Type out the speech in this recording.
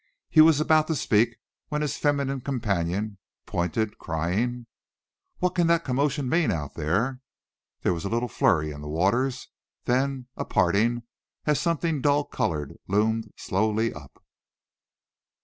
He was about to speak when his feminine companion pointed, crying: "What can that commotion mean out there?" There was a little flurry in the waters, then a parting as something dull colored loomed slowly up.